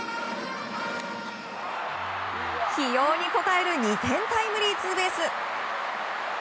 起用に応える２点タイムリーツーベース。